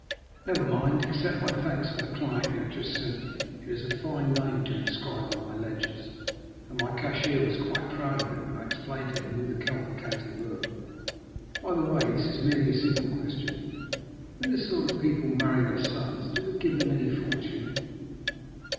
"Never mind; accept my thanks for the client you have sent me. It is a fine name to inscribe on my ledgers, and my cashier was quite proud of it when I explained to him who the Cavalcanti were. By the way, this is merely a simple question, when this sort of people marry their sons, do they give them any fortune?"